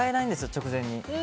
直前に。